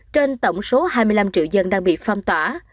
trên tổng số hai mươi năm triệu dân đang bị phong tỏa